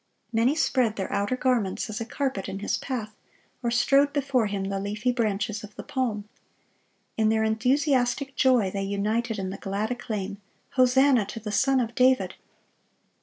Many spread their outer garments as a carpet in His path, or strewed before Him the leafy branches of the palm. In their enthusiastic joy they united in the glad acclaim, "Hosanna to the Son of David!"